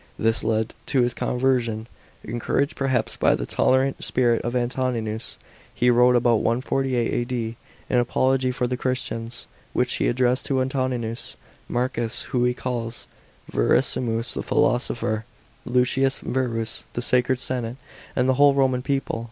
This led to his conversion. Encouraged, perhaps, by the tolerant spirit of Antoninus, he wrote (about 148 A.D.) an " Apology for the Christians," which he addressed to Antoninus, Marcus — whom he calls " Verissimus the philosopher," — Lucius Verus, " the sacred senate, and the whole Roman people."